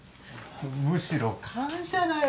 むしろ感謝だよ。